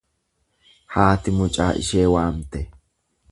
Haati mucaa ishee waamte.